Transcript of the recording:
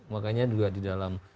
makanya juga di dalam